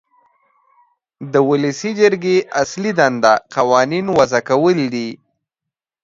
د ولسي جرګې اصلي دنده قوانین وضع کول دي.